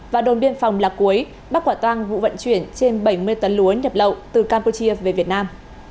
và đồn biên phòng lạc cuối bắt quả tang vụ vận chuyển trên bảy mươi tấn lúa nhập lậu từ campuchia về việt nam